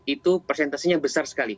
itu persentasenya besar sekali